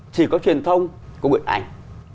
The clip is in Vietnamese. chỉ có truyền thông của người ảnh